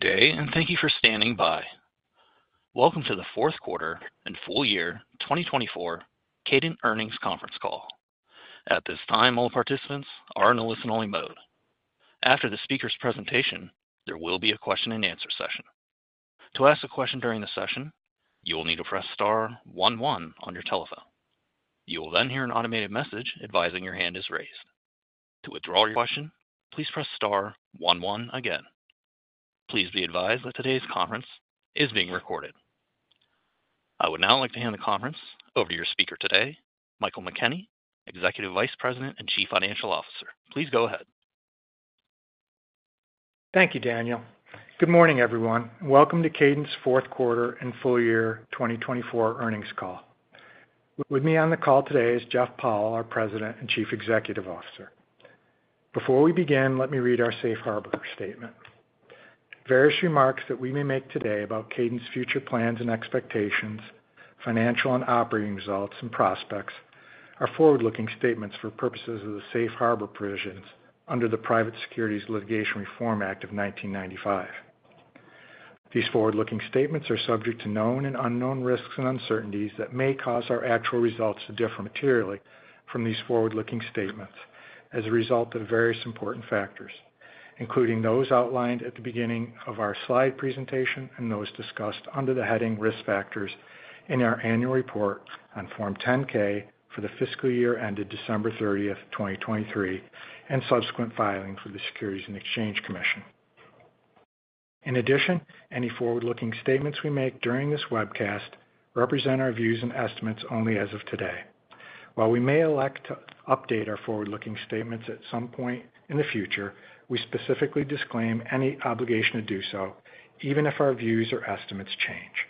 Good day, and thank you for standing by. Welcome to The Q4 And Full Year 2024 Kadant Earnings Conference Call. At this time, all participants are in a listen-only mode. After the speaker's presentation, there will be a question-and-answer session. To ask a question during the session, you will need to press star one-one on your telephone. You will then hear an automated message advising your hand is raised. To withdraw your question, please press star one-one again. Please be advised that today's conference is being recorded. I would now like to hand the conference over to your speaker today, Michael McKenney, Executive Vice President and Chief Financial Officer. Please go ahead. Thank you, Daniel. Good morning, everyone. Welcome to Kadant's Q4 and Full Year 2024 Earnings Call. With me on the call today is Jeff Powell, our President and Chief Executive Officer. Before we begin, let me read our Safe Harbor statement. Various remarks that we may make today about Kadant's future plans and expectations, financial and operating results, and prospects are forward-looking statements for purposes of the Safe Harbor provisions under the Private Securities Litigation Reform Act of 1995. These forward-looking statements are subject to known and unknown risks and uncertainties that may cause our actual results to differ materially from these forward-looking statements as a result of various important factors, including those outlined at the beginning of our slide presentation and those discussed under the heading Risk Factors in our annual report on Form 10-K for the fiscal year ended December 30, 2023, and subsequent filing for the Securities and Exchange Commission. In addition, any forward-looking statements we make during this webcast represent our views and estimates only as of today. While we may elect to update our forward-looking statements at some point in the future, we specifically disclaim any obligation to do so, even if our views or estimates change.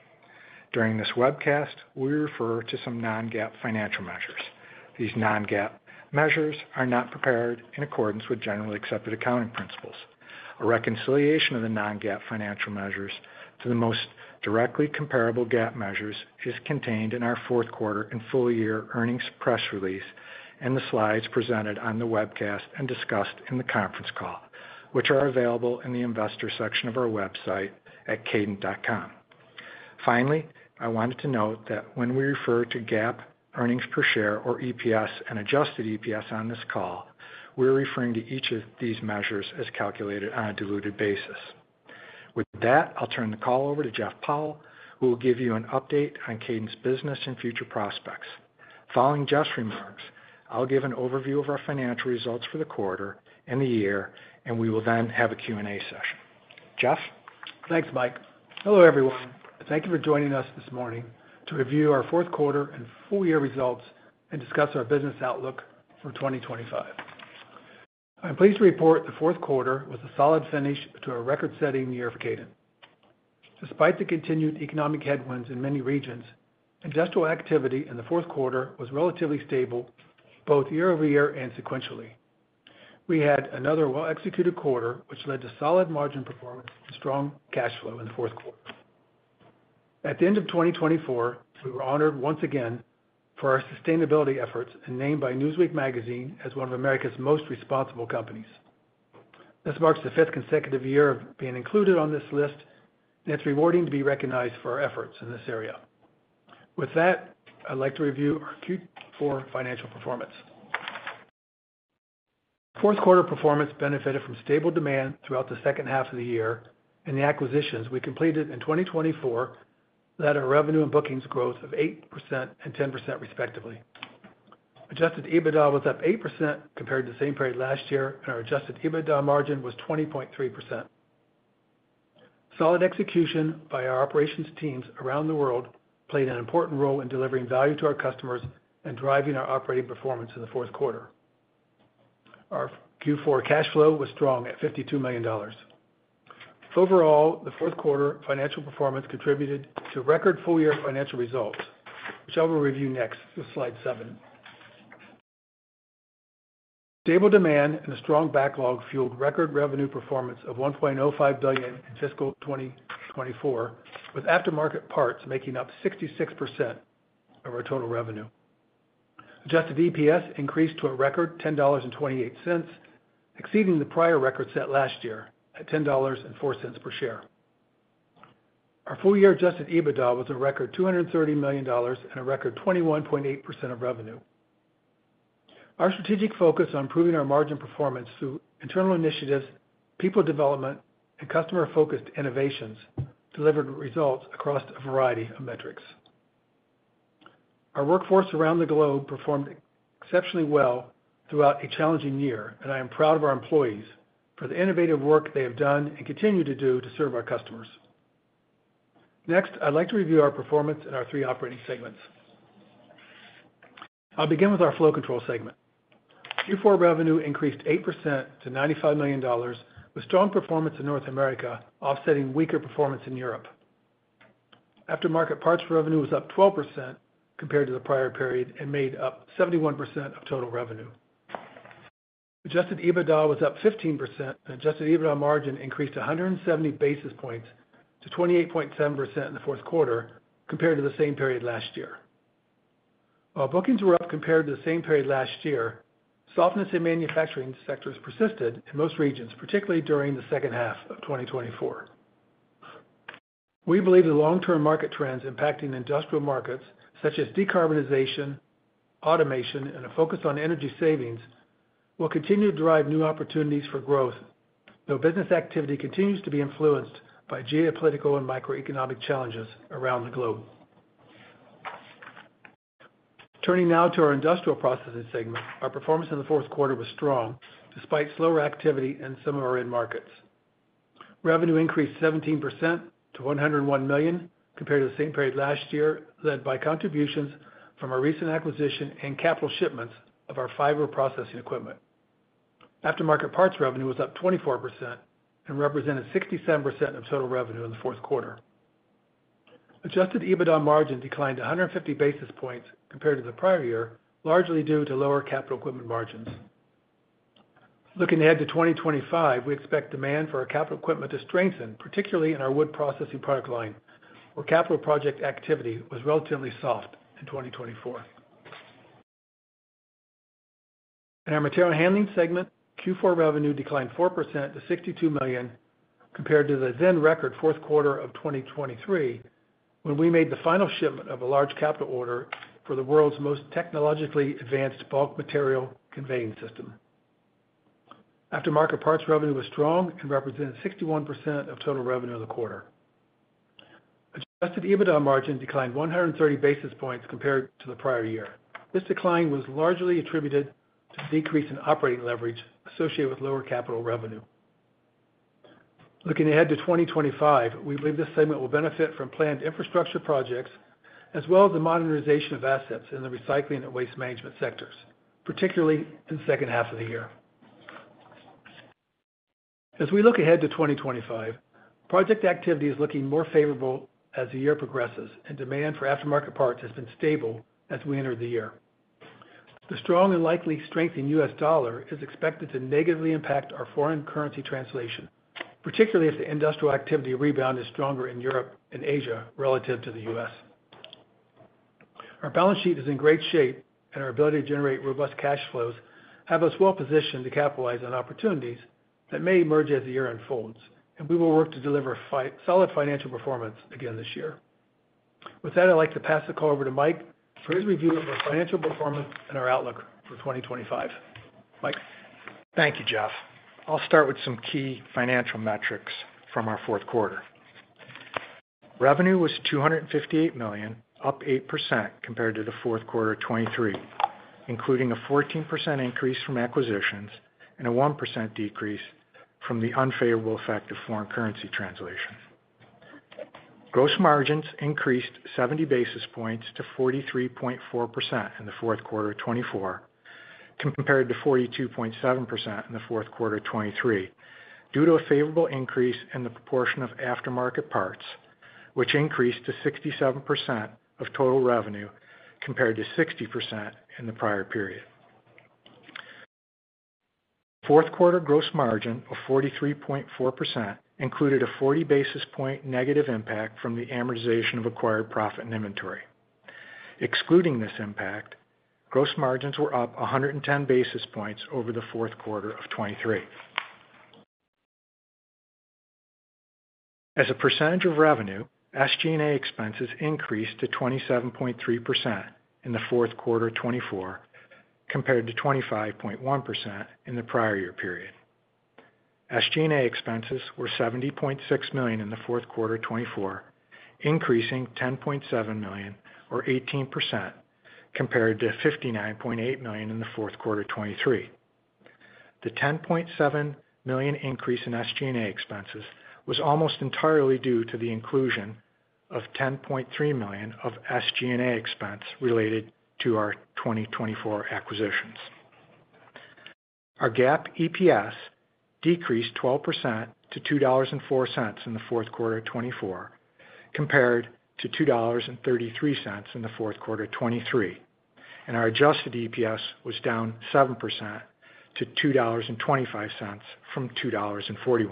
During this webcast, we refer to some non-GAAP financial measures. These non-GAAP measures are not prepared in accordance with Generally Accepted Accounting Principles. A reconciliation of the non-GAAP financial measures to the most directly comparable GAAP measures is contained in our Q4 and full year earnings press release and the slides presented on the webcast and discussed in the conference call, which are available in the investor section of our website at kadant.com. Finally, I wanted to note that when we refer to GAAP earnings per share or EPS and adjusted EPS on this call, we're referring to each of these measures as calculated on a diluted basis. With that, I'll turn the call over to Jeff Powell, who will give you an update on Kadant's business and future prospects. Following Jeff's remarks, I'll give an overview of our financial results for the quarter and the year, and we will then have a Q&A session. Jeff? Thanks, Mike. Hello, everyone. Thank you for joining us this morning to review our Q4 and full year results and discuss our business outlook for 2025. I'm pleased to report the Q4 was a solid finish to a record-setting year for Kadant. Despite the continued economic headwinds in many regions, industrial activity in the Q4 was relatively stable both year-over-year and sequentially. We had another well-executed quarter, which led to solid margin performance and strong cash flow in the Q4. At the end of 2024, we were honored once again for our sustainability efforts and named by Newsweek magazine as one of America's Most Responsible Companies. This marks the fifth consecutive year of being included on this list, and it's rewarding to be recognized for our efforts in this area. With that, I'd like to review our Q4 financial performance. Q4 performance benefited from stable demand throughout the second half of the year, and the acquisitions we completed in 2024 led our revenue and bookings growth of 8% and 10%, respectively. Adjusted EBITDA was up 8% compared to the same period last year, and our adjusted EBITDA margin was 20.3%. Solid execution by our operations teams around the world played an important role in delivering value to our customers and driving our operating performance in the Q4. Our Q4 cash flow was strong at $52 million. Overall, the Q4 financial performance contributed to record full year financial results, which I will review next through slide seven. Stable demand and a strong backlog fueled record revenue performance of $1.05 billion in fiscal 2024, with aftermarket parts making up 66% of our total revenue. Adjusted EPS increased to a record $10.28, exceeding the prior record set last year at $10.04 per share. Our full year Adjusted EBITDA was a record $230 million and a record 21.8% of revenue. Our strategic focus on improving our margin performance through internal initiatives, people development, and customer-focused innovations delivered results across a variety of metrics. Our workforce around the globe performed exceptionally well throughout a challenging year, and I am proud of our employees for the innovative work they have done and continue to do to serve our customers. Next, I'd like to review our performance in our three operating segments. I'll begin with our Flow Control segment. Q4 revenue increased 8% to $95 million, with strong performance in North America offsetting weaker performance in Europe. Aftermarket parts revenue was up 12% compared to the prior period and made up 71% of total revenue. Adjusted EBITDA was up 15%, and adjusted EBITDA margin increased 170 basis points to 28.7% in the Q4 compared to the same period last year. While bookings were up compared to the same period last year, softness in manufacturing sectors persisted in most regions, particularly during the second half of 2024. We believe the long-term market trends impacting industrial markets, such as decarbonization, automation, and a focus on energy savings, will continue to drive new opportunities for growth, though business activity continues to be influenced by geopolitical and microeconomic challenges around the globe. Turning now to our Industrial Processing segment, our performance in the Q4 was strong despite slower activity in some of our end markets. Revenue increased 17% to $101 million compared to the same period last year, led by contributions from our recent acquisition and capital shipments of our fiber processing equipment. Aftermarket parts revenue was up 24% and represented 67% of total revenue in the Q4. Adjusted EBITDA margin declined 150 basis points compared to the prior year, largely due to capital equipment margins. Looking ahead to 2025, we expect demand for capital equipment to strengthen, particularly in our wood processing product line, where capital project activity was relatively soft in 2024. In our Material Handling segment, Q4 revenue declined 4% to $62 million compared to the then record Q4 of 2023, when we made the final shipment of a large capital order for the world's most technologically advanced bulk material conveying system. Aftermarket parts revenue was strong and represented 61% of total revenue in the quarter. Adjusted EBITDA margin declined 130 basis points compared to the prior year. This decline was largely attributed to the decrease in operating leverage associated with lower capital revenue. Looking ahead to 2025, we believe this segment will benefit from planned infrastructure projects as well as the modernization of assets in the recycling and waste management sectors, particularly in the second half of the year. As we look ahead to 2025, project activity is looking more favorable as the year progresses, and demand for aftermarket parts has been stable as we enter the year. The strong and likely strength in U.S. dollar is expected to negatively impact our foreign currency translation, particularly if the industrial activity rebound is stronger in Europe and Asia relative to the U.S. Our balance sheet is in great shape, and our ability to generate robust cash flows has us well positioned to capitalize on opportunities that may emerge as the year unfolds, and we will work to deliver solid financial performance again this year. With that, I'd like to pass the call over to Mike for his review of our financial performance and our outlook for 2025. Mike. Thank you, Jeff. I'll start with some key financial metrics from our Q4. Revenue was $258 million, up 8% compared to the Q4 of 2023, including a 14% increase from acquisitions and a 1% decrease from the unfavorable effect of foreign currency translation. Gross margins increased 70 basis points to 43.4% in the Q4 of 2024, compared to 42.7% in the Q4 of 2023, due to a favorable increase in the proportion of aftermarket parts, which increased to 67% of total revenue compared to 60% in the prior period. Q4 gross margin of 43.4% included a 40 basis point negative impact from the amortization of acquired profit in inventory. Excluding this impact, gross margins were up 110 basis points over the Q4 of 2023. As a percentage of revenue, SG&A expenses increased to 27.3% in the Q4 of 2024, compared to 25.1% in the prior year period. SG&A expenses were $70.6 million in the Q4 of 2024, increasing $10.7 million, or 18%, compared to $59.8 million in the Q4 of 2023. The $10.7 million increase in SG&A expenses was almost entirely due to the inclusion of $10.3 million of SG&A expense related to our 2024 acquisitions. Our GAAP EPS decreased 12% to $2.04 in the Q4 of 2024, compared to $2.33 in the Q4 of 2023, and our adjusted EPS was down 7% to $2.25 from $2.41.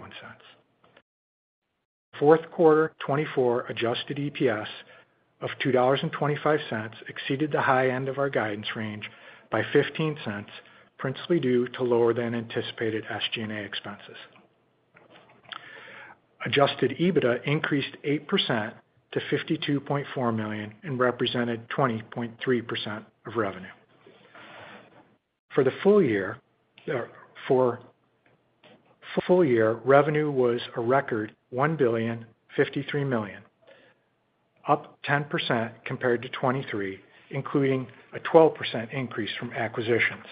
Q4 2024 adjusted EPS of $2.25 exceeded the high end of our guidance range by $0.15, principally due to lower than anticipated SG&A expenses. Adjusted EBITDA increased 8% to $52.4 million and represented 20.3% of revenue. For the full year, revenue was a record $1.053 billion, up 10% compared to 2023, including a 12% increase from acquisitions.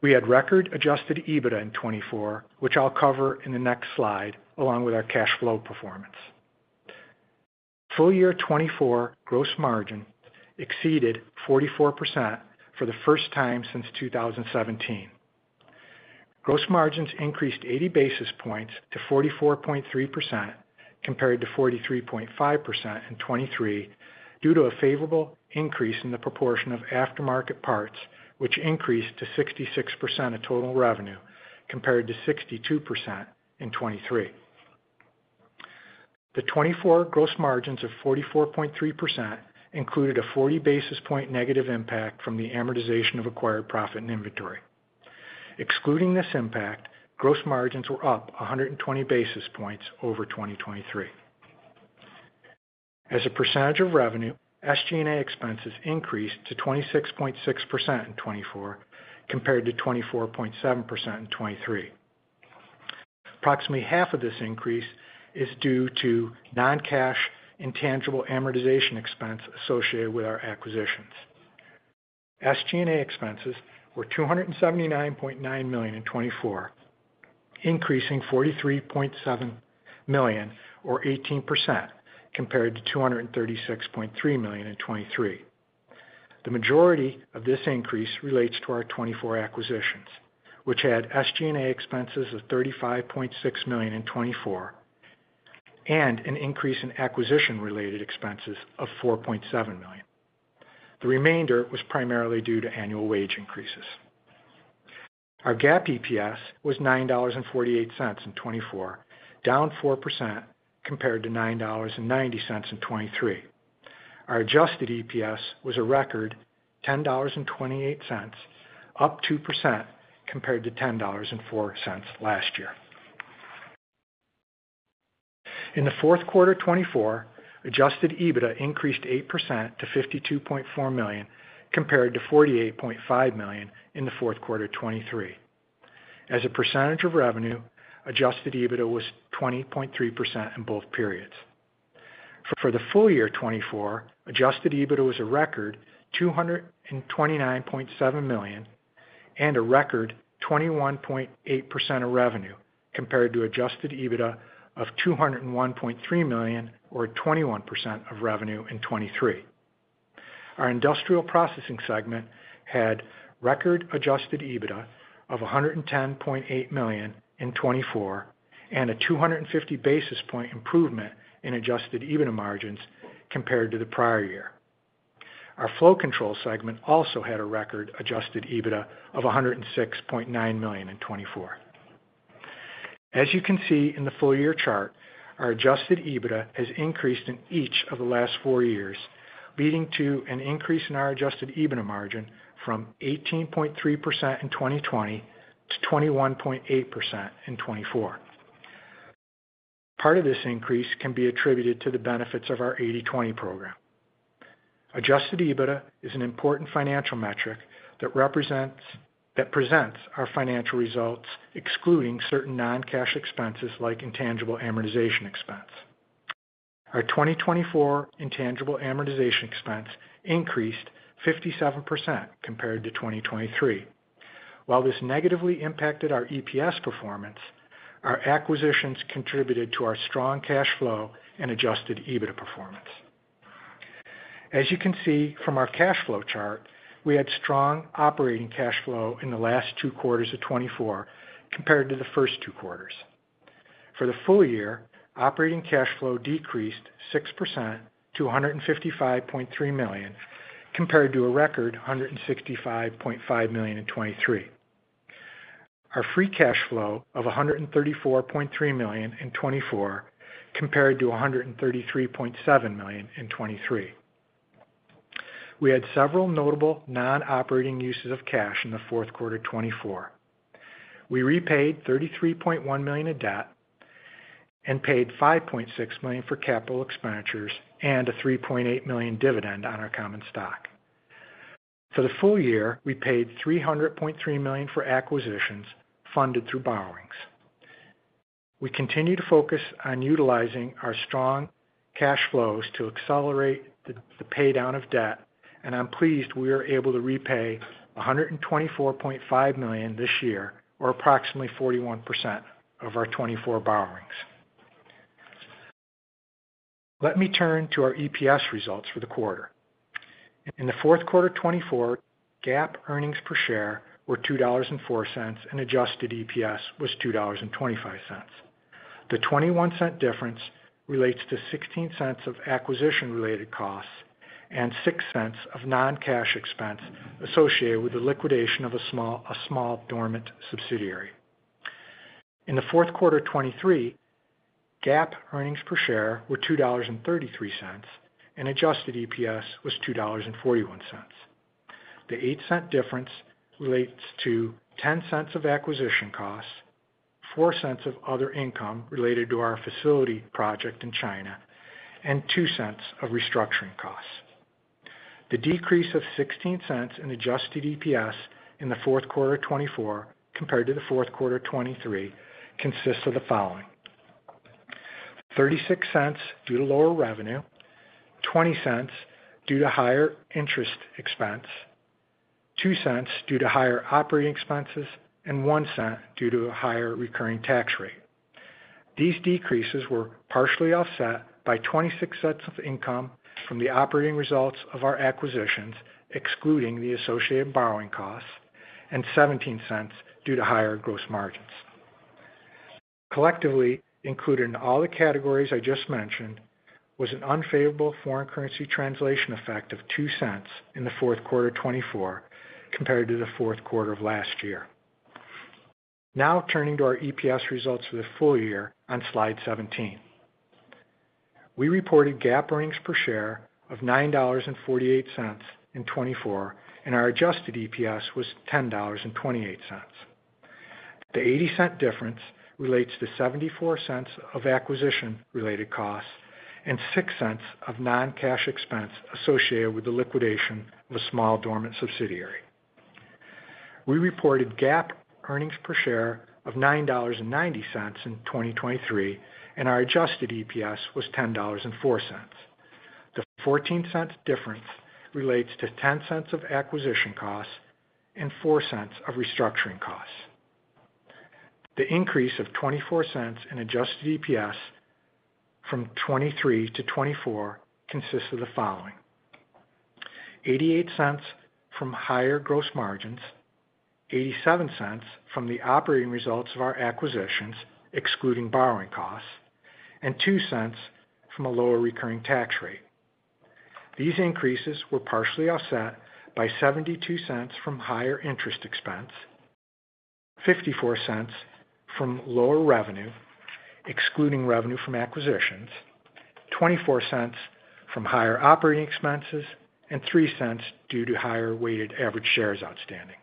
We had record adjusted EBITDA in 2024, which I'll cover in the next slide along with our cash flow performance. Full year 2024 gross margin exceeded 44% for the first time since 2017. Gross margins increased 80 basis points to 44.3% compared to 43.5% in 2023, due to a favorable increase in the proportion of aftermarket parts, which increased to 66% of total revenue compared to 62% in 2023. The 2024 gross margins of 44.3% included a 40 basis point negative impact from the amortization of acquired profit in inventory. Excluding this impact, gross margins were up 120 basis points over 2023. As a percentage of revenue, SG&A expenses increased to 26.6% in 2024 compared to 24.7% in 2023. Approximately half of this increase is due to non-cash intangible amortization expense associated with our acquisitions. SG&A expenses were $279.9 million in 2024, increasing 43.7 million, or 18%, compared to $236.3 million in 2023. The majority of this increase relates to our 2024 acquisitions, which had SG&A expenses of $35.6 million in 2024 and an increase in acquisition-related expenses of $4.7 million. The remainder was primarily due to annual wage increases. Our GAAP EPS was $9.48 in 2024, down 4% compared to $9.90 in 2023. Our adjusted EPS was a record $10.28, up 2% compared to $10.04 last year. In the Q4 of 2024, adjusted EBITDA increased 8% to $52.4 million compared to $48.5 million in the Q4 of 2023. As a percentage of revenue, adjusted EBITDA was 20.3% in both periods. For the full year 2024, adjusted EBITDA was a record $229.7 million and a record 21.8% of revenue compared to adjusted EBITDA of $201.3 million, or 21% of revenue in 2023. Our Industrial Processing segment had record adjusted EBITDA of $110.8 million in 2024 and a 250 basis points improvement in adjusted EBITDA margins compared to the prior year. Our Flow Control segment also had a record adjusted EBITDA of $106.9 million in 2024. As you can see in the full year chart, our adjusted EBITDA has increased in each of the last four years, leading to an increase in our adjusted EBITDA margin from 18.3% in 2020 to 21.8% in 2024. Part of this increase can be attributed to the benefits of our 80/20 program. Adjusted EBITDA is an important financial metric that presents our financial results excluding certain non-cash expenses like intangible amortization expense. Our 2024 intangible amortization expense increased 57% compared to 2023. While this negatively impacted our EPS performance, our acquisitions contributed to our strong cash flow and Adjusted EBITDA performance. As you can see from our cash flow chart, we had strong operating cash flow in the last two quarters of 2024 compared to the first two quarters. For the full year, operating cash flow decreased 6% to $155.3 million compared to a record $165.5 million in 2023. Our free cash flow of $134.3 million in 2024 compared to $133.7 million in 2023. We had several notable non-operating uses of cash in the Q4 of 2024. We repaid $33.1 million in debt and paid $5.6 million for capital expenditures and a $3.8 million dividend on our common stock. For the full year, we paid $300.3 million for acquisitions funded through borrowings. We continue to focus on utilizing our strong cash flows to accelerate the paydown of debt, and I'm pleased we are able to repay $124.5 million this year, or approximately 41% of our 2024 borrowings. Let me turn to our EPS results for the quarter. In the Q4 of 2024, GAAP earnings per share were $2.04, and adjusted EPS was $2.25. The $0.21 difference relates to $0.16 of acquisition-related costs and $0.06 of non-cash expense associated with the liquidation of a small dormant subsidiary. In the Q4 of 2023, GAAP earnings per share were $2.33, and adjusted EPS was $2.41. The $0.08 difference relates to $0.10 of acquisition costs, $0.04 of other income related to our facility project in China, and $0.02 of restructuring costs. The decrease of $0.16 in adjusted EPS in the Q4 of 2024 compared to the Q4 of 2023 consists of the following: $0.36 due to lower revenue, $0.20 due to higher interest expense, $0.02 due to higher operating expenses, and $0.01 due to a higher recurring tax rate. These decreases were partially offset by $0.26 of income from the operating results of our acquisitions, excluding the associated borrowing costs, and $0.17 due to higher gross margins. Collectively, included in all the categories I just mentioned, was an unfavorable foreign currency translation effect of $0.02 in the Q4 of 2024 compared to the Q4 of last year. Now turning to our EPS results for the full year on slide 17. We reported GAAP earnings per share of $9.48 in 2024, and our adjusted EPS was $10.28. The $0.80 difference relates to $0.74 of acquisition-related costs and $0.06 of non-cash expense associated with the liquidation of a small dormant subsidiary. We reported GAAP earnings per share of $9.90 in 2023, and our adjusted EPS was $10.04. The $0.14 difference relates to $0.10 of acquisition costs and $0.04 of restructuring costs. The increase of $0.24 in adjusted EPS from 2023 to 2024 consists of the following: $0.88 from higher gross margins, $0.87 from the operating results of our acquisitions, excluding borrowing costs, and $0.02 from a lower recurring tax rate. These increases were partially offset by $0.72 from higher interest expense, $0.54 from lower revenue, excluding revenue from acquisitions, $0.24 from higher operating expenses, and $0.03 due to higher weighted average shares outstanding.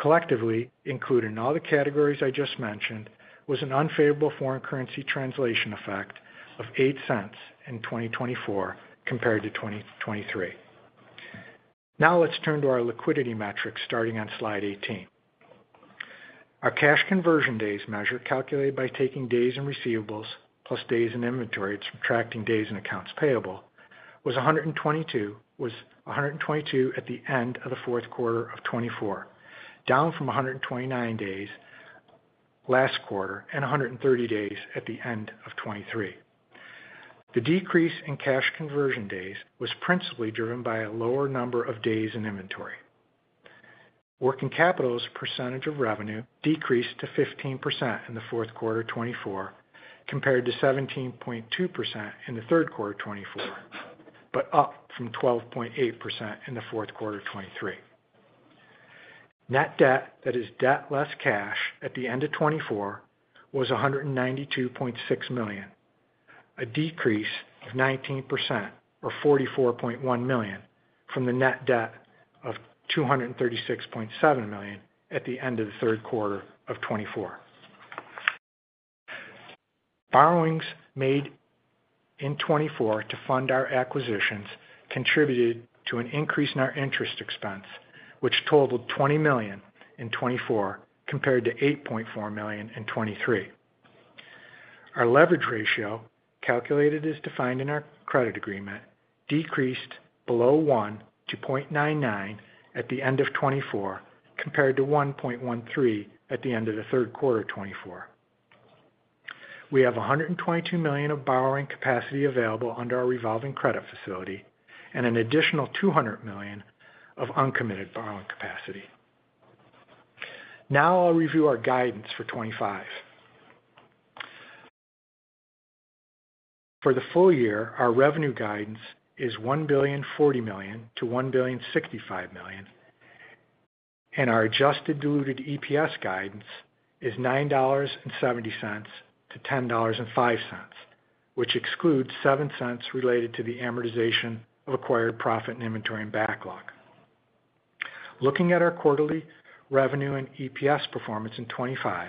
Collectively, including all the categories I just mentioned, was an unfavorable foreign currency translation effect of $0.08 in 2024 compared to 2023. Now let's turn to our liquidity metrics starting on slide 18. Our cash conversion days measure, calculated by taking days in receivables plus days in inventory and subtracting days in accounts payable, was 122 at the end of the Q4 of 2024, down from 129 days last quarter and 130 days at the end of 2023. The decrease in cash conversion days was principally driven by a lower number of days in inventory. Working capital's percentage of revenue decreased to 15% in the Q4 of 2024 compared to 17.2% in the Q3 of 2024, but up from 12.8% in the Q4 of 2023. Net debt, that is debt less cash, at the end of 2024 was $192.6 million, a decrease of 19%, or $44.1 million, from the net debt of $236.7 million at the end of the Q3 of 2024. Borrowings made in 2024 to fund our acquisitions contributed to an increase in our interest expense, which totaled $20 million in 2024 compared to $8.4 million in 2023. Our leverage ratio, calculated as defined in our credit agreement, decreased below $1 to 0.99 at the end of 2024 compared to $1.13 at the end of the Q3 of 2024. We have $122 million of borrowing capacity available under our revolving credit facility and an additional $200 million of uncommitted borrowing capacity. Now I'll review our guidance for 2025. For the full year, our revenue guidance is $1.04 to 1.065 billion, and our adjusted diluted EPS guidance is $9.70-$10.05, which excludes $0.07 related to the amortization of acquired profit in inventory and backlog. Looking at our quarterly revenue and EPS performance in 2025,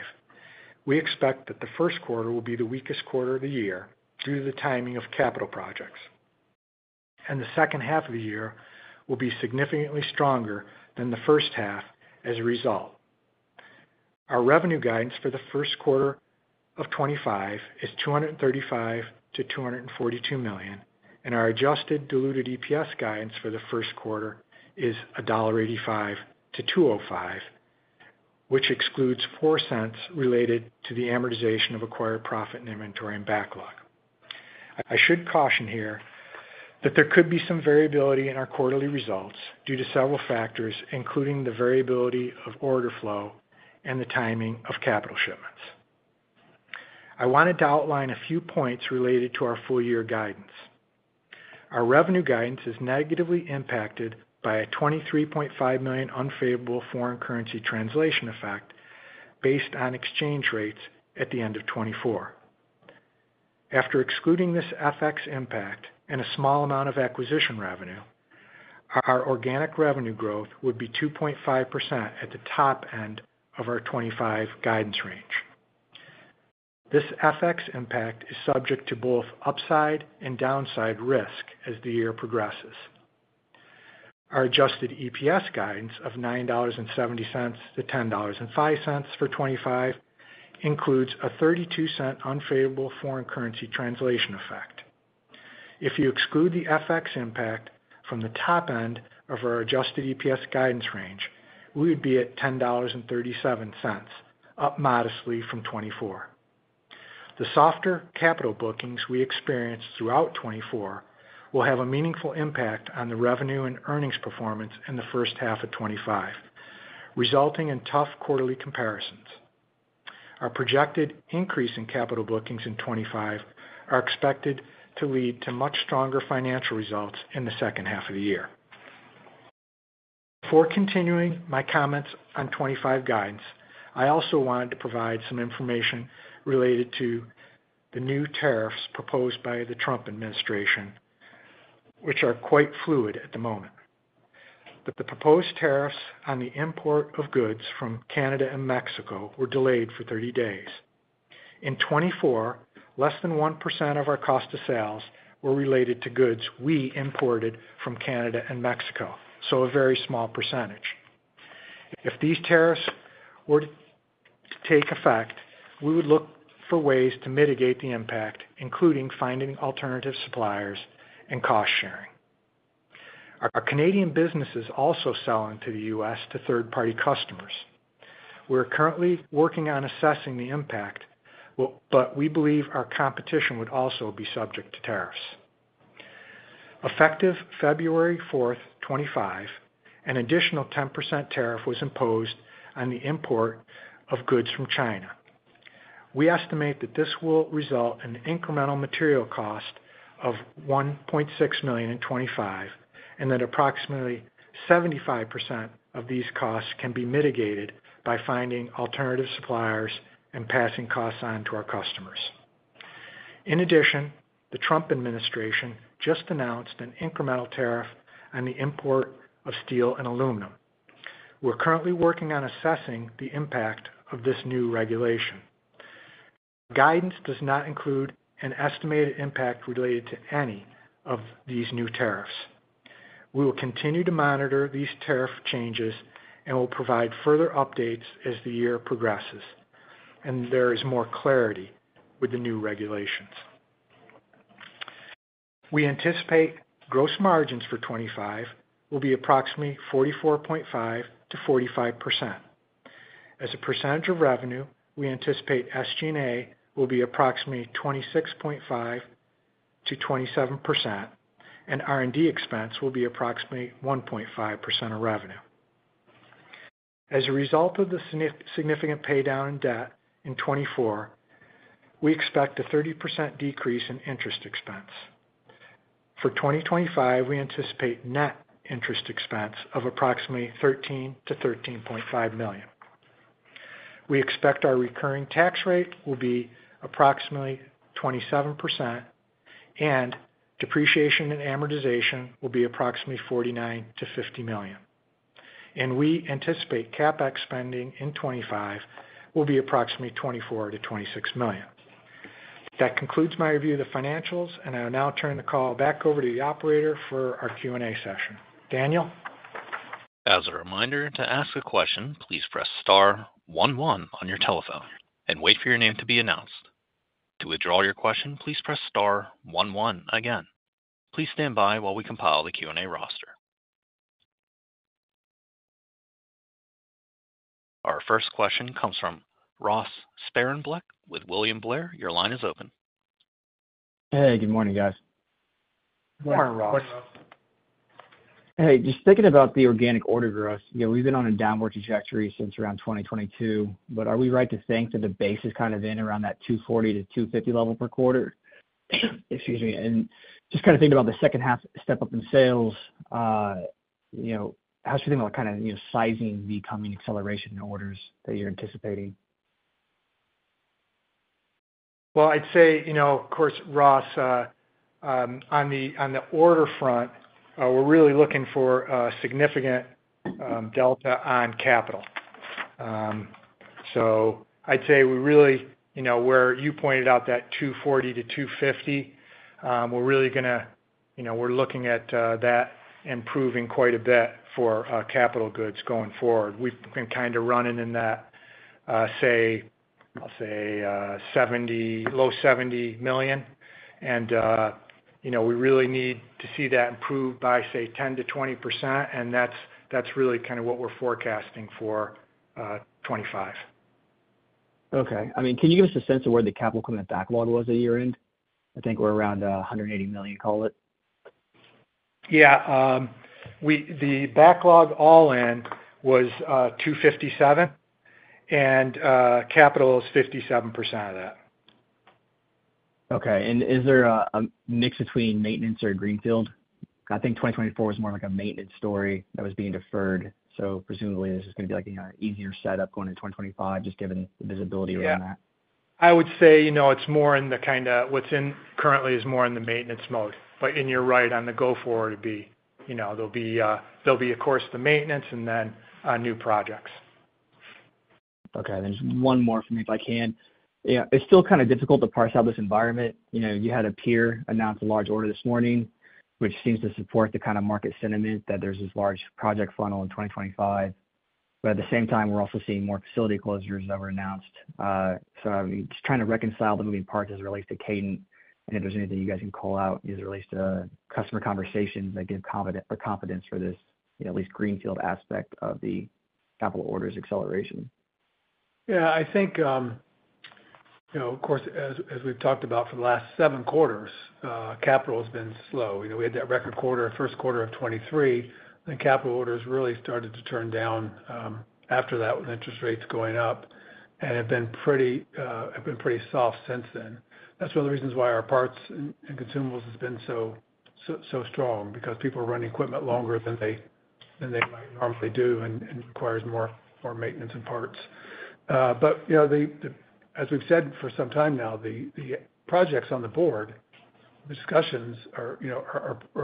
we expect that the Q1 will be the weakest quarter of the year due to the timing of capital projects, and the second half of the year will be significantly stronger than the first half as a result. Our revenue guidance for the Q1 of 2025 is $235 to 242 million, and our adjusted diluted EPS guidance for the Q1 is $1.85 to 2.05, which excludes $0.04 related to the amortization of acquired profit in inventory and backlog. I should caution here that there could be some variability in our quarterly results due to several factors, including the variability of order flow and the timing of capital shipments. I wanted to outline a few points related to our full year guidance. Our revenue guidance is negatively impacted by a $23.5 million unfavorable foreign currency translation effect based on exchange rates at the end of 2024. After excluding this FX impact and a small amount of acquisition revenue, our organic revenue growth would be 2.5% at the top end of our 2025 guidance range. This FX impact is subject to both upside and downside risk as the year progresses. Our adjusted EPS guidance of $9.70 to $10.05 for 2025 includes a $0.32 unfavorable foreign currency translation effect. If you exclude the FX impact from the top end of our adjusted EPS guidance range, we would be at $10.37, up modestly from 2024. The softer capital bookings we experienced throughout 2024 will have a meaningful impact on the revenue and earnings performance in the first half of 2025, resulting in tough quarterly comparisons. Our projected increase in capital bookings in 2025 is expected to lead to much stronger financial results in the second half of the year. Before continuing my comments on 2025 guidance, I also wanted to provide some information related to the new tariffs proposed by the Trump administration, which are quite fluid at the moment. The proposed tariffs on the import of goods from Canada and Mexico were delayed for 30 days. In 2024, less than 1% of our cost of sales were related to goods we imported from Canada and Mexico, so a very small percentage. If these tariffs were to take effect, we would look for ways to mitigate the impact, including finding alternative suppliers and cost sharing. Our Canadian businesses also sell into the U.S. to third-party customers. We are currently working on assessing the impact, but we believe our competition would also be subject to tariffs. Effective February 4, 2025, an additional 10% tariff was imposed on the import of goods from China. We estimate that this will result in an incremental material cost of $1.6 million in 2025 and that approximately 75% of these costs can be mitigated by finding alternative suppliers and passing costs on to our customers. In addition, the Trump administration just announced an incremental tariff on the import of steel and aluminum. We're currently working on assessing the impact of this new regulation. Guidance does not include an estimated impact related to any of these new tariffs. We will continue to monitor these tariff changes and will provide further updates as the year progresses and there is more clarity with the new regulations. We anticipate gross margins for 2025 will be approximately 44.5% to 45%. As a percentage of revenue, we anticipate SG&A will be approximately 26.5% to 27%, and R&D expense will be approximately 1.5% of revenue. As a result of the significant paydown in debt in 2024, we expect a 30% decrease in interest expense. For 2025, we anticipate net interest expense of approximately $13 to 13.5 million. We expect our recurring tax rate will be approximately 27%, and depreciation and amortization will be approximately $49 to 50 million. And we anticipate CapEx spending in 2025 will be approximately $24 to 26 million. That concludes my review of the financials, and I will now turn the call back over to the operator for our Q&A session. Daniel? As a reminder, to ask a question, please press star 11 on your telephone and wait for your name to be announced. To withdraw your question, please press star 11 again. Please stand by while we compile the Q&A roster. Our first question comes from Ross Sparenblek with William Blair. Your line is open. Hey, good morning, guys. Good morning, Ross. Hey, just thinking about the organic order growth. We've been on a downward trajectory since around 2022, but are we right to think that the base is kind of in around that $240 to 250 level per quarter? Excuse me. And just kind of thinking about the second half step up in sales, how should we think about kind of sizing the coming acceleration in orders that you're anticipating? Well, I'd say, of course, Ross, on the order front, we're really looking for a significant delta on capital. So I'd say we really, where you pointed out that $240-$250, we're really going to, we're looking at that improving quite a bit for capital goods going forward. We've been kind of running in that, say, I'll say, low $70 million, and we really need to see that improve by, say, 10% to 20%, and that's really kind of what we're forecasting for 2025. Okay. I mean, can you give us a sense of where the capital commitment backlog was at year-end? I think we're around $180 million, call it. Yeah. The backlog all-in was $257, and capital is 57% of that. Okay. And is there a mix between maintenance or a greenfield? I think 2024 was more like a maintenance story that was being deferred, so presumably this is going to be an easier setup going into 2025, just given the visibility around that. Yeah. I would say it's more in the kind of what's in currently is more in the maintenance mode. But you're right on the go-forward, it'll be, there'll be, of course, the maintenance and then new projects. Okay. There's one more for me if I can. It's still kind of difficult to parse out this environment. You had a peer announce a large order this morning, which seems to support the kind of market sentiment that there's this large project funnel in 2025. But at the same time, we're also seeing more facility closures that were announced. So I'm just trying to reconcile the moving parts as it relates to Kadant and if there's anything you guys can call out as it relates to customer conversations that give confidence for this, at least greenfield aspect of the capital orders acceleration. Yeah. I think, of course, as we've talked about for the last seven quarters, capital has been slow. We had that record quarter, Q1 of 2023, and capital orders really started to turn down after that with interest rates going up, and have been pretty soft since then. That's one of the reasons parts and consumables has been so strong because people are running equipment longer than they might normally do and requires more maintenance and parts. As we've said for some time now, the projects on the board, the discussions are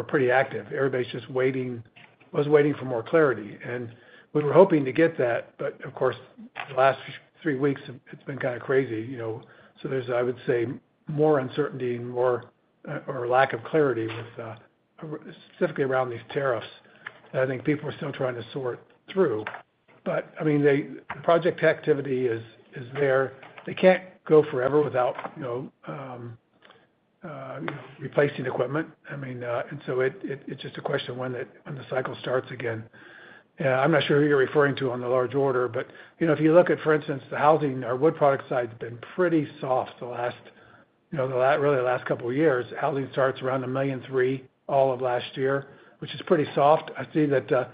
pretty active. Everybody's just waiting, was waiting for more clarity. We were hoping to get that, but of course, the last three weeks, it's been kind of crazy. There's, I would say, more uncertainty and more or lack of clarity specifically around these tariffs that I think people are still trying to sort through. Project activity is there. They can't go forever without replacing equipment. I mean, and so it's just a question of when the cycle starts again. I'm not sure who you're referring to on the large order, but if you look at, for instance, the housing, our wood product side has been pretty soft the last, really the last couple of years. Housing starts around 1.3 million all of last year, which is pretty soft. I see that the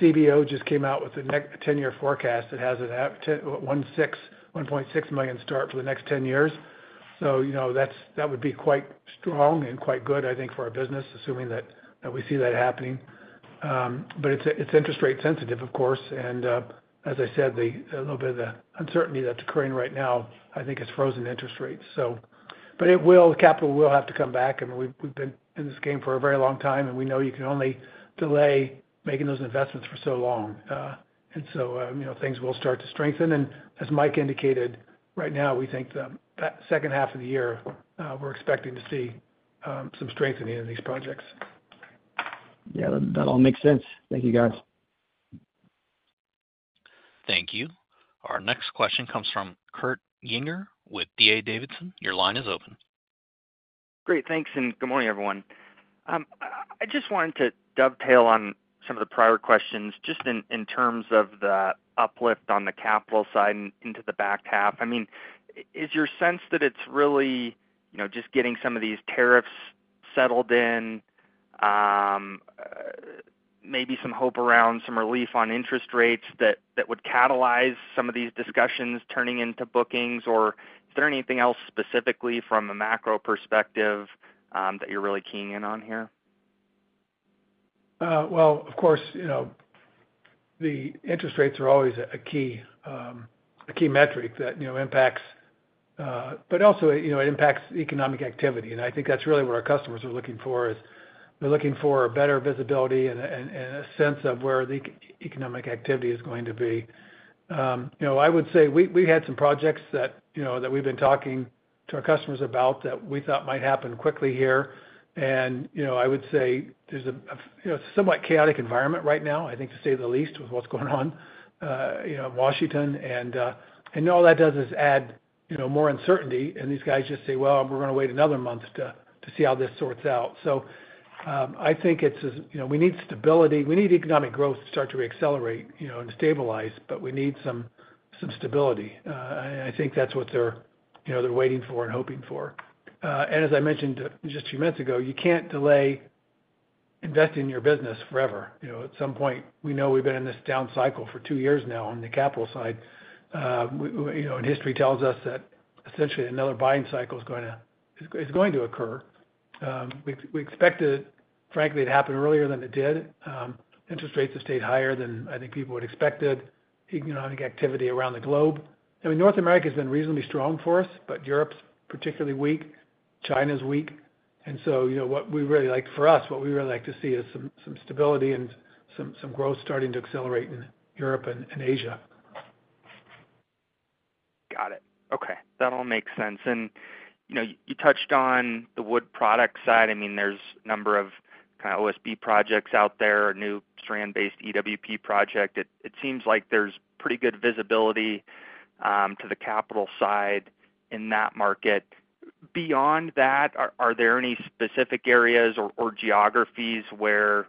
CBO just came out with a 10-year forecast that has a 1.6 million starts for the next 10 years. So that would be quite strong and quite good, I think, for our business, assuming that we see that happening. But it's interest rate sensitive, of course. And as I said, a little bit of the uncertainty that's occurring right now, I think it's frozen interest rates. But capital will have to come back. I mean, we've been in this game for a very long time, and we know you can only delay making those investments for so long. And so things will start to strengthen. And as Mike indicated, right now, we think the second half of the year, we're expecting to see some strengthening in these projects. Yeah. That all makes sense. Thank you, guys. Thank you. Our next question comes from Kurt Yinger with D.A. Davidson. Your line is open. Great. Thanks. And good morning, everyone. I just wanted to dovetail on some of the prior questions just in terms of the uplift on the capital side and into the back half. I mean, is your sense that it's really just getting some of these tariffs settled in, maybe some hope around some relief on interest rates that would catalyze some of these discussions turning into bookings? Or is there anything else specifically from a macro perspective that you're really keying in on here? Well, of course, the interest rates are always a key metric that impacts, but also it impacts economic activity. And I think that's really what our customers are looking for, is they're looking for better visibility and a sense of where the economic activity is going to be. I would say we've had some projects that we've been talking to our customers about that we thought might happen quickly here. And I would say there's a somewhat chaotic environment right now, I think, to say the least, with what's going on in Washington. And all that does is add more uncertainty, and these guys just say, "Well, we're going to wait another month to see how this sorts out." So I think we need stability. We need economic growth to start to accelerate and stabilize, but we need some stability. I think that's what they're waiting for and hoping for. And as I mentioned just a few minutes ago, you can't delay investing in your business forever. At some point, we know we've been in this down cycle for two years now on the capital side. And history tells us that essentially another buying cycle is going to occur. We expected, frankly, it happened earlier than it did. Interest rates have stayed higher than I think people would expected. Economic activity around the globe. I mean, North America has been reasonably strong for us, but Europe's particularly weak. China's weak. And so what we really like for us, what we really like to see is some stability and some growth starting to accelerate in Europe and Asia. Got it. Okay. That all makes sense. You touched on the wood product side. I mean, there's a number of kind of OSB projects out there, a new strand-based EWP project. It seems like there's pretty good visibility to the capital side in that market. Beyond that, are there any specific areas or geographies where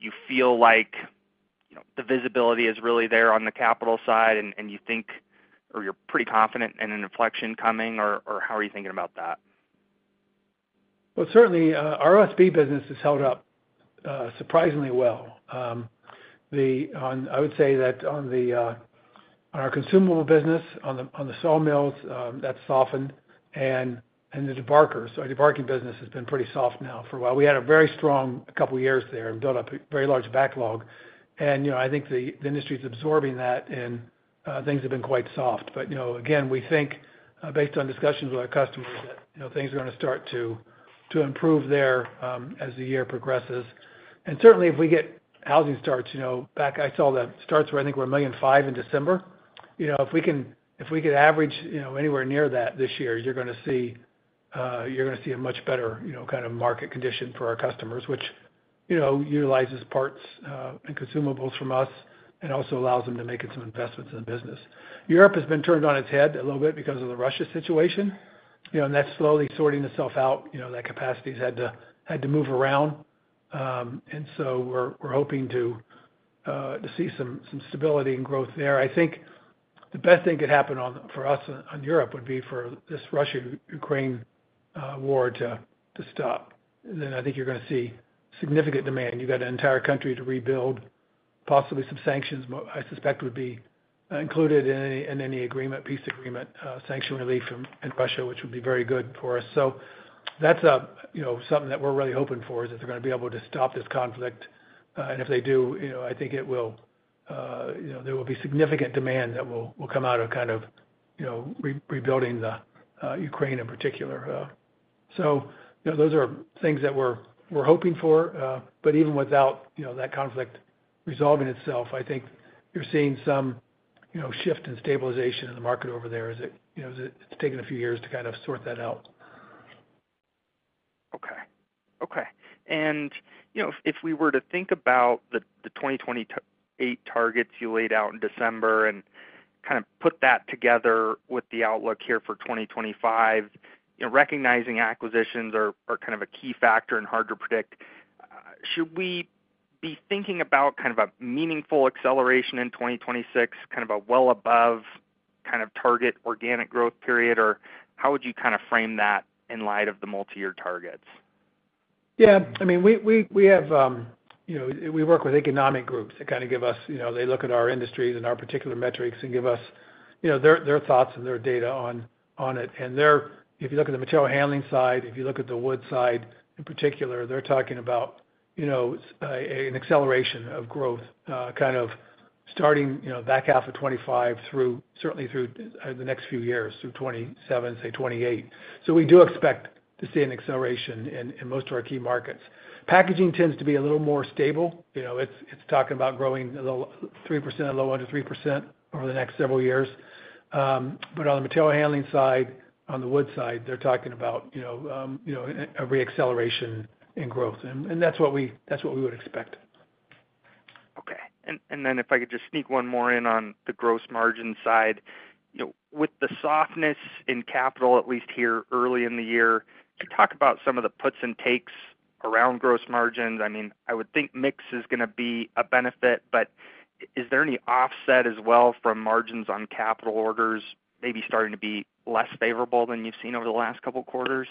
you feel like the visibility is really there on the capital side and you think, or you're pretty confident in an inflection coming, or how are you thinking about that? Certainly, our OSB business has held up surprisingly well. I would say that on our consumable business, on the sawmills, that's softened. And the debarkers, our debarking business has been pretty soft now for a while. We had a very strong couple of years there and built up a very large backlog. And I think the industry is absorbing that, and things have been quite soft. But again, we think, based on discussions with our customers, that things are going to start to improve there as the year progresses. And certainly, if we get housing starts back, I saw that starts were, I think, 1.5 million in December. If we can average anywhere near that this year, you're going to see a much better kind of market condition for our customers, parts and consumables from us and also allows them to make some investments in the business. Europe has been turned on its head a little bit because of the Russia situation, and that's slowly sorting itself out. That capacity has had to move around. And so we're hoping to see some stability and growth there. I think the best thing could happen for us in Europe would be for this Russia-Ukraine war to stop. Then I think you're going to see significant demand. You've got an entire country to rebuild, possibly some sanctions, I suspect, would be included in any agreement, peace agreement, sanction relief in Russia, which would be very good for us. So that's something that we're really hoping for, is that they're going to be able to stop this conflict. And if they do, I think it will, there will be significant demand that will come out of kind of rebuilding Ukraine in particular. So those are things that we're hoping for. But even without that conflict resolving itself, I think you're seeing some shift in stabilization in the market over there, as it's taken a few years to kind of sort that out. Okay. Okay. If we were to think about the 2028 targets you laid out in December and kind of put that together with the outlook here for 2025, recognizing acquisitions are kind of a key factor and hard to predict, should we be thinking about kind of a meaningful acceleration in 2026, kind of a well above kind of target organic growth period? Or how would you kind of frame that in light of the multi-year targets? Yeah. I mean, we work with economic groups that kind of give us. They look at our industries and our particular metrics and give us their thoughts and their data on it. And if you look at the Material Handling side, if you look at the wood side in particular, they're talking about an acceleration of growth kind of starting back half of 2025, certainly through the next few years, through 2027, say 2028. So we do expect to see an acceleration in most of our key markets. Packaging tends to be a little more stable. It's talking about growing 3% low under 3% over the next several years. But on the Material Handling side, on the wood side, they're talking about a re-acceleration in growth. And that's what we would expect. Okay. And then if I could just sneak one more in on the gross margin side. With the softness in capital, at least here early in the year, could you talk about some of the puts and takes around gross margins? I mean, I would think mix is going to be a benefit, but is there any offset as well from margins on capital orders maybe starting to be less favorable than you've seen over the last couple of quarters?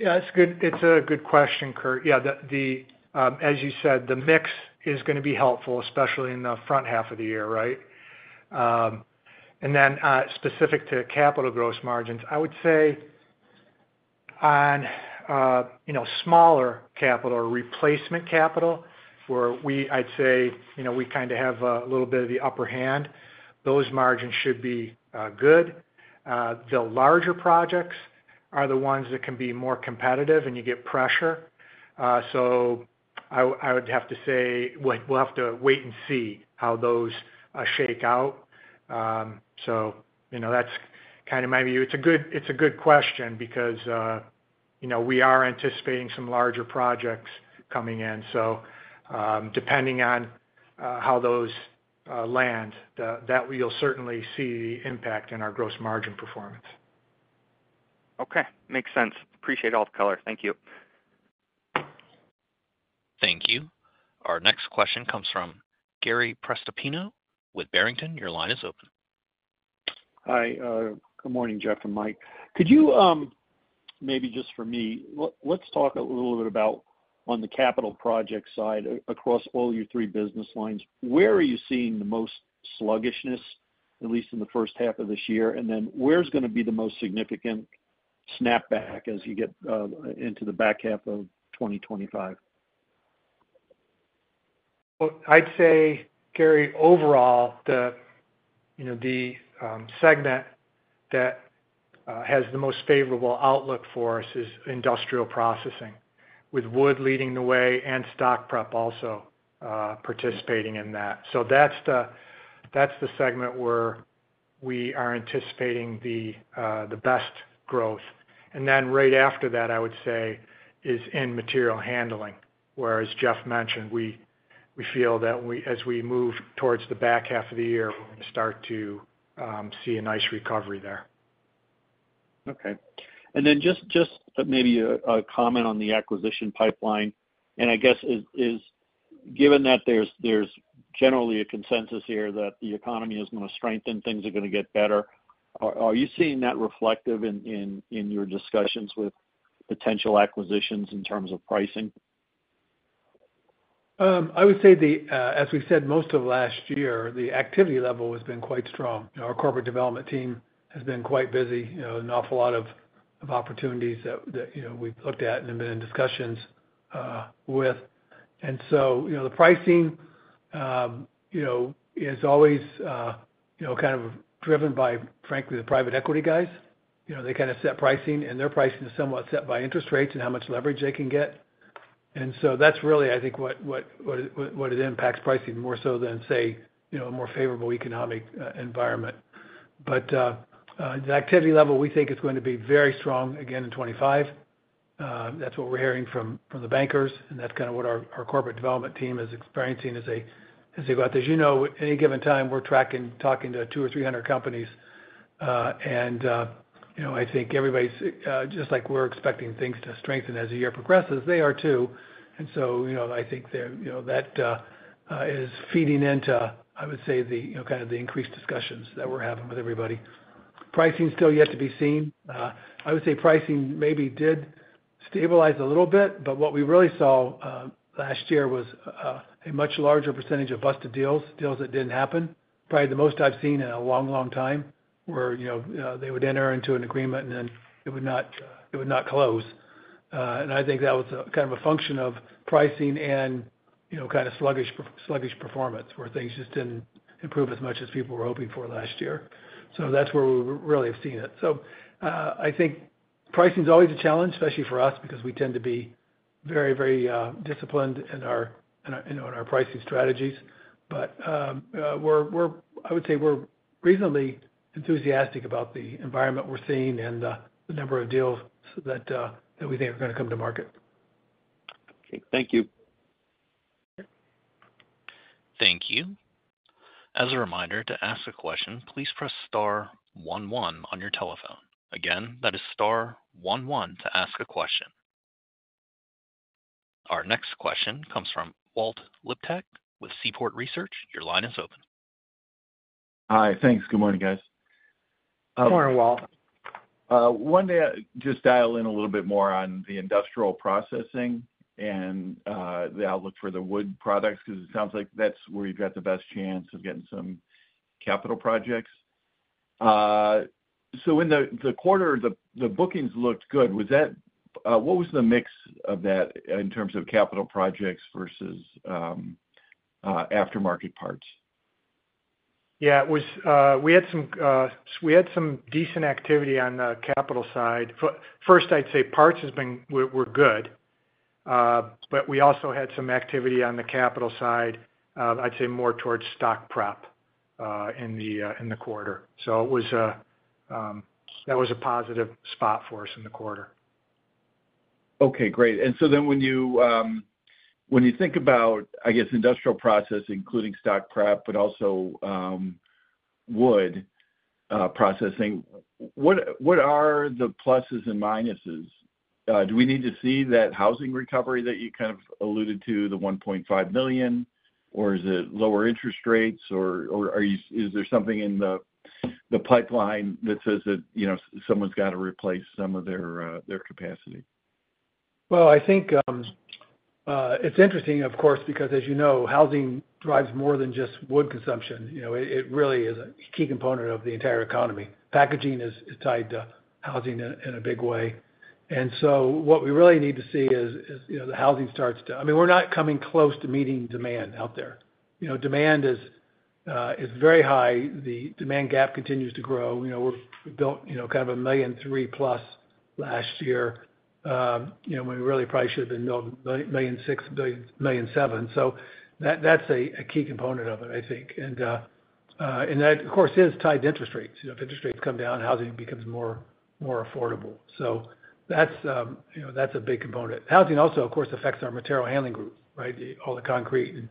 Yeah. It's a good question, Kurt. Yeah. As you said, the mix is going to be helpful, especially in the front half of the year, right? And then specific to capital gross margins, I would say on smaller capital or replacement capital, where I'd say we kind of have a little bit of the upper hand, those margins should be good. The larger projects are the ones that can be more competitive and you get pressure. So I would have to say, well, we'll have to wait and see how those shake out. So that's kind of my view. It's a good question because we are anticipating some larger projects coming in. So depending on how those land, that we'll certainly see the impact in our gross margin performance. Okay. Makes sense. Appreciate all the color. Thank you. Thank you. Our next question comes from Gary Prestopino with Barrington. Your line is open. Hi. Good morning, Jeff and Mike. Could you maybe just for me, let's talk a little bit about on the capital project side across all your three business lines, where are you seeing the most sluggishness, at least in the first half of this year? And then where's going to be the most significant snapback as you get into the back half of 2025? Well, I'd say, Gary, overall, the segment that has the most favorable outlook for us is Industrial Processing, with wood leading the way stock prep also participating in that. That's the segment where we are anticipating the best growth. Then right after that, I would say, is in Material Handling. Whereas Jeff mentioned, we feel that as we move towards the back half of the year, we're going to start to see a nice recovery there. Okay. Then just maybe a comment on the acquisition pipeline. I guess, given that there's generally a consensus here that the economy is going to strengthen, things are going to get better, are you seeing that reflective in your discussions with potential acquisitions in terms of pricing? I would say, as we've said most of last year, the activity level has been quite strong. Our corporate development team has been quite busy, an awful lot of opportunities that we've looked at and have been in discussions with. And so the pricing is always kind of driven by, frankly, the private equity guys. They kind of set pricing, and their pricing is somewhat set by interest rates and how much leverage they can get. And so that's really, I think, what it impacts pricing more so than, say, a more favorable economic environment. But the activity level, we think, is going to be very strong again in 2025. That's what we're hearing from the bankers, and that's kind of what our corporate development team is experiencing as they go out. As you know, at any given time, we're tracking talking to 200 or 300 companies. And I think everybody, just like we're expecting things to strengthen as the year progresses, they are too. And so I think that is feeding into, I would say, kind of the increased discussions that we're having with everybody. Pricing is still yet to be seen. I would say pricing maybe did stabilize a little bit, but what we really saw last year was a much larger percentage of busted deals, deals that didn't happen. Probably the most I've seen in a long, long time where they would enter into an agreement, and then it would not close, and I think that was kind of a function of pricing and kind of sluggish performance where things just didn't improve as much as people were hoping for last year. So that's where we really have seen it, so I think pricing is always a challenge, especially for us, because we tend to be very, very disciplined in our pricing strategies, but I would say we're reasonably enthusiastic about the environment we're seeing and the number of deals that we think are going to come to market. Okay. Thank you. Thank you. As a reminder, to ask a question, please press star 11 on your telephone. Again, that is star 11 to ask a question. Our next question comes from Walt Liptak with Seaport Research Partners. Your line is open. Hi. Thanks. Good morning, guys. Good morning, Walt. Want to just dial in a little bit more on the Industrial Processing and the outlook for the wood products because it sounds like that's where you've got the best chance of getting some capital projects. So in the quarter, the bookings looked good. What was the mix of that in terms of capital projects versus aftermarket parts? Yeah. We had some decent activity on the capital side. First, I'd say parts were good, but we also had some activity on the capital side, I'd say more stock prep in the quarter. So that was a positive spot for us in the quarter. Okay. Great. And so then when you think about, I guess, Industrial Processing, stock prep, but also wood processing, what are the pluses and minuses? Do we need to see that housing recovery that you kind of alluded to, the 1.5 million, or is it lower interest rates, or is there something in the pipeline that says that someone's got to replace some of their capacity? Well, I think it's interesting, of course, because, as you know, housing drives more than just wood consumption. It really is a key component of the entire economy. Packaging is tied to housing in a big way. And so what we really need to see is the housing starts to, I mean, we're not coming close to meeting demand out there. Demand is very high. The demand gap continues to grow. We built kind of 1.3 million plus last year when we really probably should have been building 1.6 million and 1.7 million. So that's a key component of it, I think. And that, of course, is tied to interest rates. If interest rates come down, housing becomes more affordable. So that's a big component. Housing also, of course, affects our Material Handling group, right? All the concrete and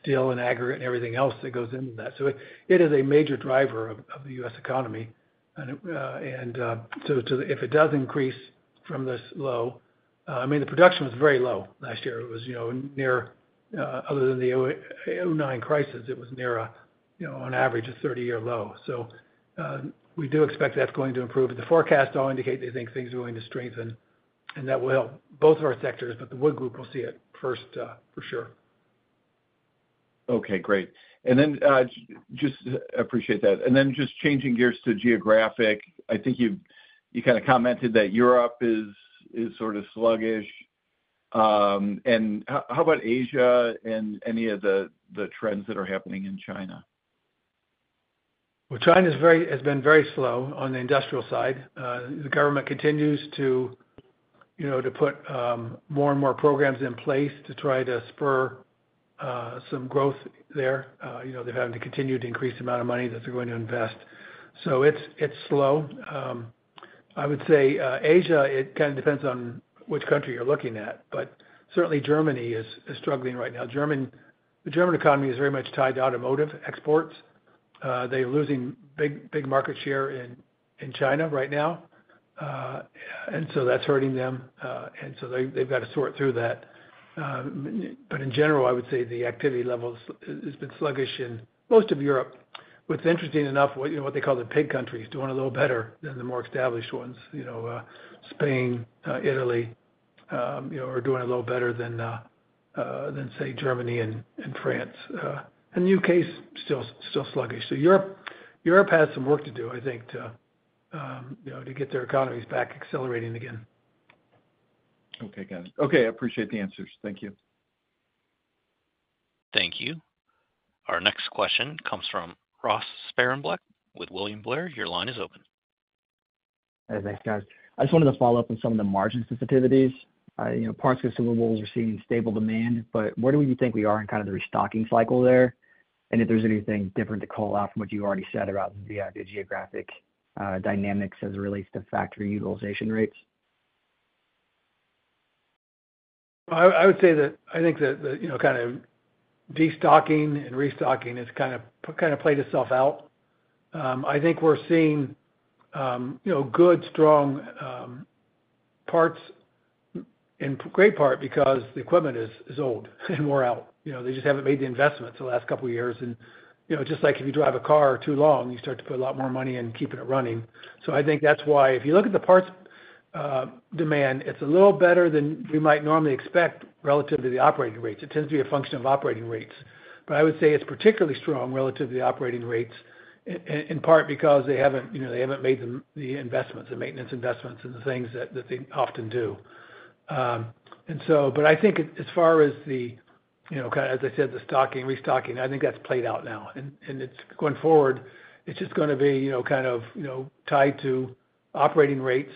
steel and aggregate and everything else that goes into that. So it is a major driver of the U.S. economy. And so if it does increase from this low, I mean, the production was very low last year. It was near, other than the 2009 crisis, it was near on average a 30-year low. So we do expect that's going to improve. The forecasts all indicate they think things are going to strengthen, and that will help both of our sectors, but the wood group will see it first, for sure. Okay. Great. And then just appreciate that. And then just changing gears to geographic, I think you kind of commented that Europe is sort of sluggish. And how about Asia and any of the trends that are happening in China? Well, China has been very slow on the industrial side. The government continues to put more and more programs in place to try to spur some growth there. They're having to continue to increase the amount of money that they're going to invest. So it's slow. I would say Asia, it kind of depends on which country you're looking at, but certainly Germany is struggling right now. The German economy is very much tied to automotive exports. They're losing big market share in China right now. And so that's hurting them. And so they've got to sort through that. But in general, I would say the activity level has been sluggish in most of Europe, with, interesting enough, what they call the PIGS countries doing a little better than the more established ones. Spain, Italy are doing a little better than, say, Germany and France. And the UK is still sluggish. So Europe has some work to do, I think, to get their economies back accelerating again. Okay. Got it. Okay. I appreciate the answers. Thank you. Thank you. Our next question comes from Ross Sparenblek with William Blair. Your line is open. Hey. Thanks, guys. I just wanted to follow up on some of the margin sensitivities. Parts consumables are seeing stable demand, but where do we think we are in kind of the restocking cycle there? And if there's anything different to call out from what you already said about the geographic dynamics as it relates to factory utilization rates? I would say that I think that kind of destocking and restocking has kind of played itself out. I think we're seeing good, strong parts in great part because the equipment is old and worn out. They just haven't made the investment the last couple of years. And just like if you drive a car too long, you start to put a lot more money in keeping it running. So I think that's why if you look at the parts demand, it's a little better than we might normally expect relative to the operating rates. It tends to be a function of operating rates. But I would say it's particularly strong relative to the operating rates in part because they haven't made the investments, the maintenance investments, and the things that they often do. And so, but I think as far as the, kind of as I said, the stocking, restocking, I think that's played out now. And going forward, it's just going to be kind of tied to operating rates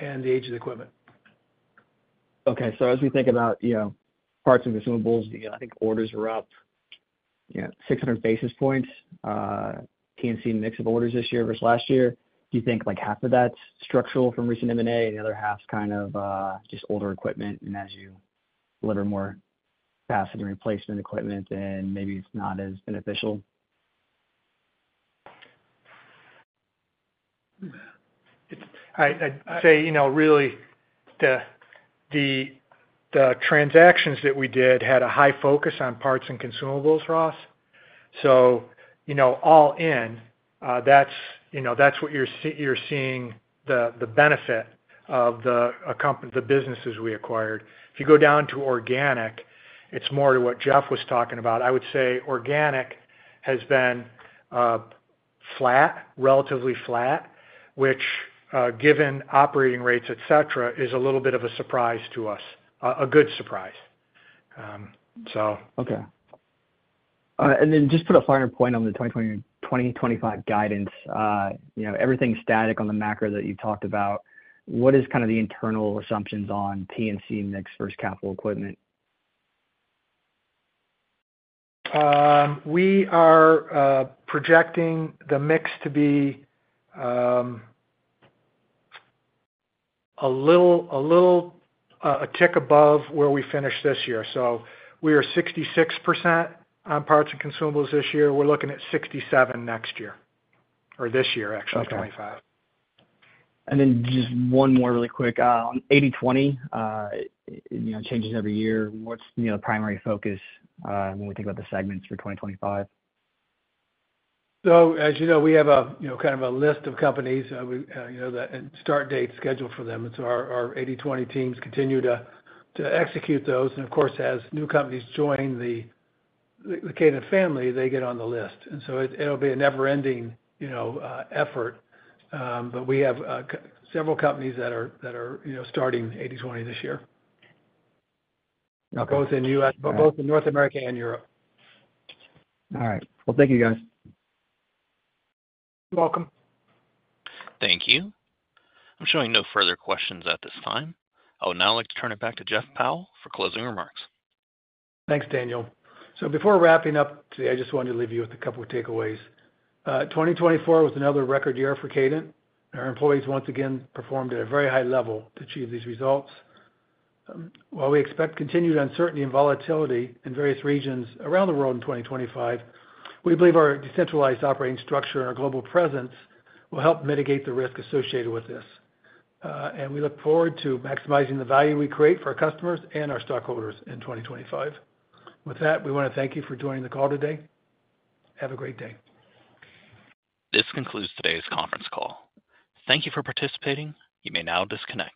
and the age of the equipment. Okay. So as we parts and consumables, i think orders are up 600 basis points. Can you see a mix of orders this year versus last year? Do you think half of that's structural from recent M&A and the other half's kind of just older equipment? And as you deliver more capacity replacement equipment, then maybe it's not as beneficial? I'd say really the transactions that we did had a high parts and consumables, ross. so all in, that's what you're seeing the benefit of the businesses we acquired. If you go down to organic, it's more to what Jeff was talking about. I would say organic has been flat, relatively flat, which, given operating rates, etc., is a little bit of a surprise to us, a good surprise, so. Okay. And then just put a finer point on the 2025 guidance. Everything's static on the macro that you've talked about. What is kind of the internal assumptions on P&C mix versus capital equipment? We are projecting the mix to be a little tick above where we finished this year. So we are parts and consumables this year. We're looking at 67 next year, or this year, actually, 2025. Okay. And then just one more really quick. 80/20 changes every year. What's the primary focus when we think about the segments for 2025? So as you know, we have kind of a list of companies that start dates scheduled for them. And so our 80/20 teams continue to execute those. And of course, as new companies join the Kadant family, they get on the list. And so it'll be a never-ending effort. But we have several companies that are starting 80/20 this year, both in North America and Europe. All right. Well, thank you, guys. You're welcome. Thank you. I'm showing no further questions at this time. I would now like to turn it back to Jeff Powell for closing remarks. Thanks, Daniel. So before wrapping up today, I just wanted to leave you with a couple of takeaways. 2024 was another record year for Kadant. Our employees once again performed at a very high level to achieve these results. While we expect continued uncertainty and volatility in various regions around the world in 2025, we believe our decentralized operating structure and our global presence will help mitigate the risk associated with this. And we look forward to maximizing the value we create for our customers and our stockholders in 2025. With that, we want to thank you for joining the call today. Have a great day. This concludes today's conference call. Thank you for participating. You may now disconnect.